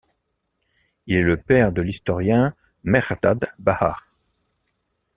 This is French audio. Il est le père de l'historien Mehrdad Bahar.